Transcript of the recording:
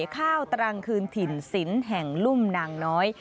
ข้าวตรังคืนถิ่นศิลป์แห่งลุ่มนางน้อย